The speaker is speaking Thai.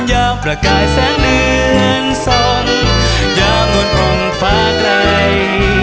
ยาวประกายแสงเดือนสองยาวมนตรงฟ้าใกล้